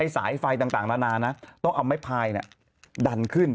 สายไฟต่างนานานะต้องเอาไม้พายดันขึ้น